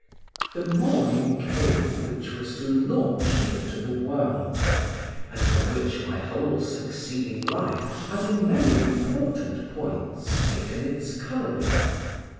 The morning came which was to launch me into the world, and from which my whole succeeding life has in many important points taken its colouring.